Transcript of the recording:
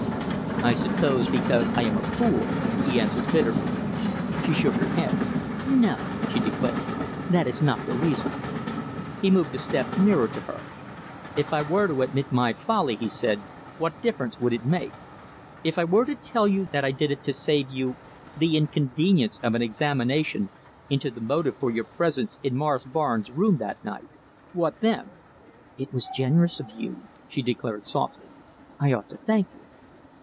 "I suppose because I am a fool," he answered bitterly. She shook her head. "No!" she declared, "that is not the reason." He moved a step nearer to her. "If I were to admit my folly," he said, "what difference would it make if I were to tell you that I did it to save you the inconvenience of an examination into the motive for your presence in Morris Barnes' rooms that night what then?" "It was generous of you," she declared softly. "I ought to thank you."